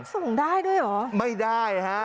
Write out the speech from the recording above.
ส่งได้ด้วยเหรอไม่ได้ฮะ